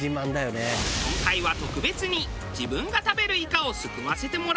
今回は特別に自分が食べるイカをすくわせてもらう。